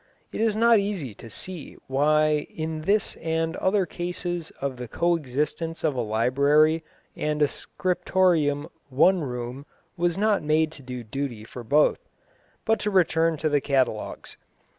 It is not easy to see why in this and other cases of the co existence of a library and a scriptorium one room was not made to do duty for both. But to return to the catalogues.